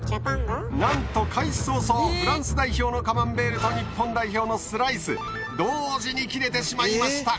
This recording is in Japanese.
なんと開始早々フランス代表のカマンベールと日本代表のスライス同時に切れてしまいました。